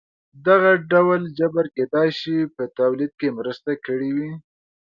دغه ډول جبر کېدای شي په تولید کې مرسته کړې وي.